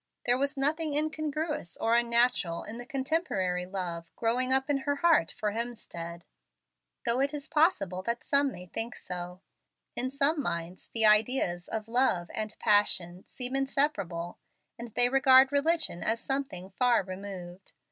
There was nothing incongruous or unnatural in the contemporary love growing up in her heart for Hemstead, though it is possible that some may so think. In some minds the ideas of love and passion seem inseparable, and they regard religion as something far removed.